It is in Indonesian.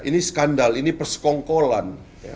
ini skandal ini persekongkolan